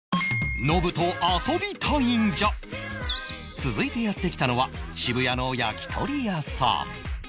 続いてやって来たのは渋谷の焼き鳥屋さん